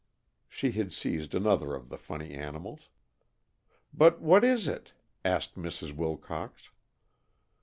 She had seized another of the funny animals. "But what is it?" asked Mrs. Wilcox.